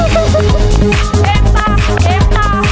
เก็มต่อเก็มต่อเก็มต่อเก็มต่อเก็มต่อเก็มต่อ